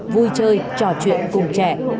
vui chơi trò chuyện cùng trẻ